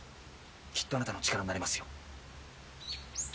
きっとあなたの力になれますよ。